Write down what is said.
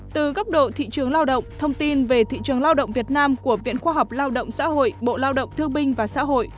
từ góc độ thị trường lao động thông tin về thị trường lao động việt nam của viện khoa học lao động xã hội bộ lao động thương binh và xã hội